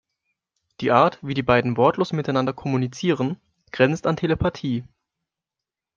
Die Art, wie die beiden wortlos miteinander kommunizieren, grenzt an Telepathie.